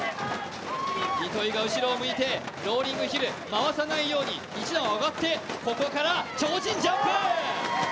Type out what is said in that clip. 糸井が後ろを向いてローリングヒル、回さないように１段上がって、ここから超人ジャンプ。